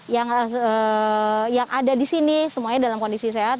yang ada di sini semuanya dalam kondisi sehat